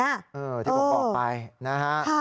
ที่ผมบอกไปนะฮะ